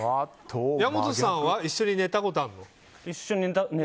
矢本さんは一緒に寝たことあるの？